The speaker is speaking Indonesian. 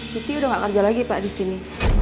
siti udah gak kerja lagi pak disini